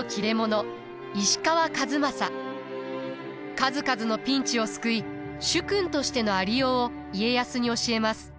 数々のピンチを救い主君としてのありようを家康に教えます。